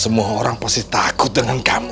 semua orang pasti takut dengan kamu